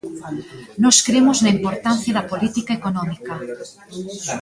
Nós cremos na importancia da política económica.